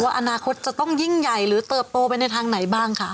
อนาคตจะต้องยิ่งใหญ่หรือเติบโตไปในทางไหนบ้างคะ